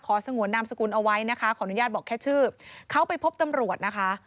สงวนนามสกุลเอาไว้นะคะขออนุญาตบอกแค่ชื่อเขาไปพบตำรวจนะคะ